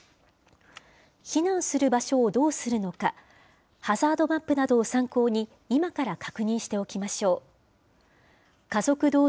避難する場所をどうするのか、ハザードマップなどを参考に、今から確認しておきましょう。